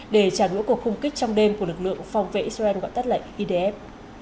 để trả nũa cuộc khung kích trong đêm của lực lượng phòng vệ israel gọi tắt lại idf